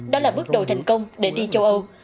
đó là bước đầu thành công để đi châu âu